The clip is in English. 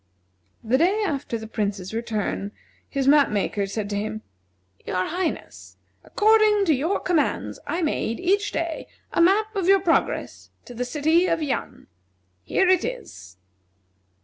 The day after the Prince's return his map maker said to him: "Your Highness, according to your commands I made, each day, a map of your progress to the city of Yan. Here it is."